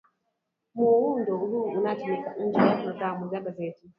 muundo huu unatumika nje ya programu ya nagazeti